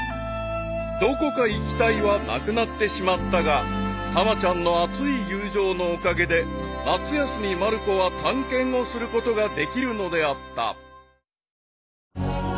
［どこか行き隊はなくなってしまったがたまちゃんの熱い友情のおかげで夏休みまる子は探検をすることができるのであった］